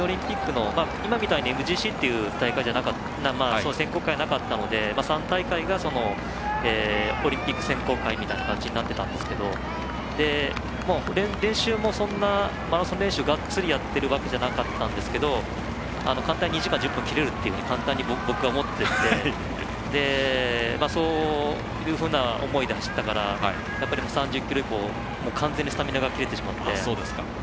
ちょうどシドニーオリンピックの今みたいにＭＧＣっていう選考会はなかったので３大会がオリンピック選考会みたいな形になってたんですけど練習もそんなにマラソン練習がっつりやっているわけじゃなかったんですけど簡単に２時間１０分切れるって僕は思っていてそういうふうな思いで走ったからやっぱり、３０ｋｍ以降完全にスタミナが切れてしまって。